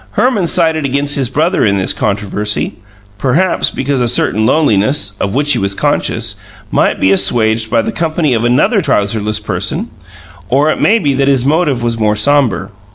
Herman sided against his brother in this controversy, perhaps because a certain loneliness, of which he was censcious, might be assuaged by the company of another trouserless person or it may be that his motive was more sombre.